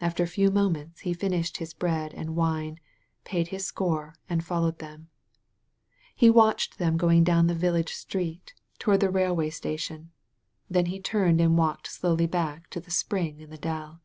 After a few moments he finished his bread and wine, paid his score, and followed them. He watcl^ed them going down the village street toward the rail 125 THE VALLEY OP VISION way station. Then he turned and walked slowly back to the spring in the dell.